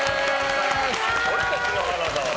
俺たちの花澤。